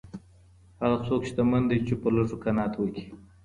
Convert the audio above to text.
هغه څوک شتمن دی چي په لږو قناعت وکړي.